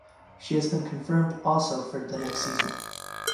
She has been confirmed also for the next season.